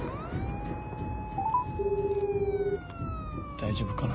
大丈夫かな？